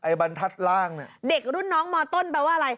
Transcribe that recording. บรรทัศน์ล่างเนี่ยเด็กรุ่นน้องมต้นแปลว่าอะไร